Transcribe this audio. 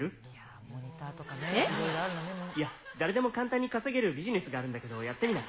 いや、誰でも簡単に稼げるビジネスがあるんだけどやってみない？